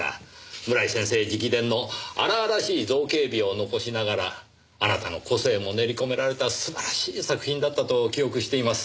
村井先生直伝の荒々しい造形美を残しながらあなたの個性も練り込められた素晴らしい作品だったと記憶しています。